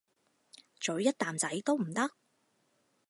咀一啖仔都唔得？